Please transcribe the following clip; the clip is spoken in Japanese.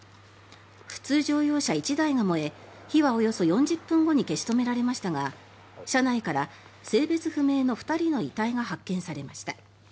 普通乗用車１台が燃え火はおよそ４０分後に消し止められましたが車内から性別不明の２人の遺体が発見されました。